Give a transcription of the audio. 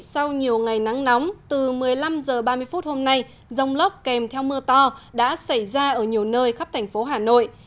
sau nhiều ngày nắng nóng từ một mươi năm h ba mươi phút hôm nay rông lốc kèm theo mưa to đã xảy ra ở nhiều nơi khắp thành phố hà nội